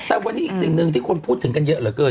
แต่วันนี้อีกสิ่งหนึ่งที่คนพูดถึงกันเยอะเหลือเกิน